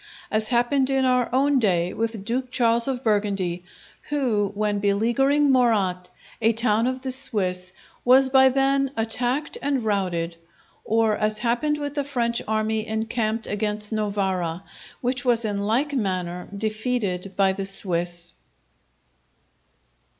As happened in our own day with Duke Charles of Burgundy, who, when beleaguering Morat, a town of the Swiss, was by them attacked and routed; or as happened with the French army encamped against Novara, which was in like manner defeated by the Swiss.